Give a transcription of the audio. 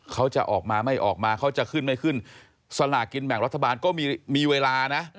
เขาจะออกมาไม่ออกมาเขาจะขึ้นไม่ขึ้นสลากินแบ่งรัฐบาลก็มีเวลานะ